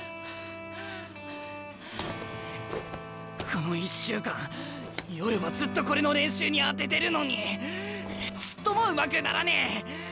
この１週間夜はずっとこれの練習に充ててるのにちっともうまくならねえ！